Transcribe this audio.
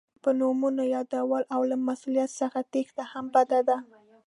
په نومونو یادول او له مسؤلیت څخه تېښته هم بده ده.